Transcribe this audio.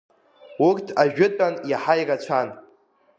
Урҭ ажәытәан иаҳа ирацәан.